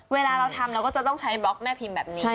เวลาเราทำเราก็จะต้องใช้บล็อกแม่พิมพ์แบบนี้